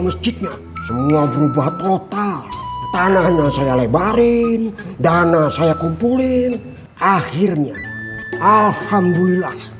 masjidnya semua berubah total tanahnya saya lebarin dana saya kumpulin akhirnya alhamdulillah